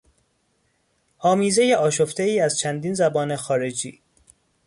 آمیزهی آشفتهای از چندین زبان خارجی